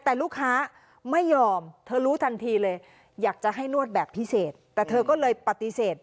แต่ลูกค้าไม่ยอมเธอรู้ทันทีเลยอยากจะให้นวดแบบพิเศษแต่เธอก็เลยปฏิเสธ